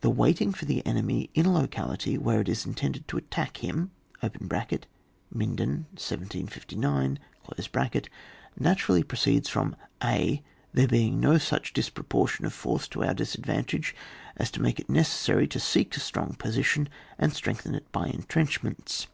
The waiting for the enemy in a locality where it is intended to attack him (Minden, 1759) naturally proceeds &om —. a, there being no such disproportion of force to our disadvantage as to make it necessary to seek a strong position and strengthen it by entrenchments.